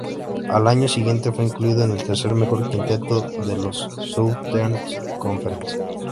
Al año siguiente fue incluido en el tercer mejor quinteto de la Southeastern Conference.